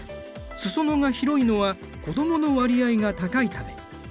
裾野が広いのは子どもの割合が高いため。